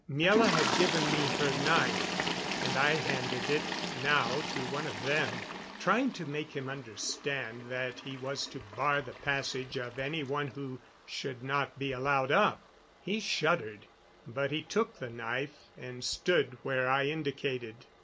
Miela had given me her knife, and I handed it now to one of them, trying to make him understand that he was to bar the passage of any one who should not be allowed up. He shuddered, but he took the knife and stood where I indicated.